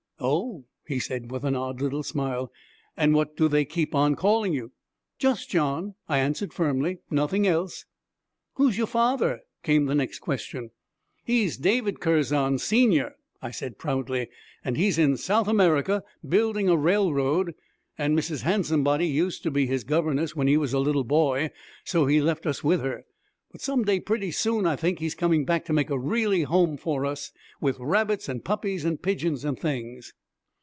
'Oh,' he said, with an odd little smile, 'and what do they keep on calling you?' 'Just John,' I answered firmly, 'nothing else.' 'Who's your father?' came the next question. 'He's David Curzon, senior,' I said proudly, 'and he's in South America building a railroad, an' Mrs. Handsomebody used to be his governess when he was a little boy, so he left us with her; but some day, pretty soon, I think, he's coming back to make a really home for us with rabbits an' puppies an' pigeons an' things.'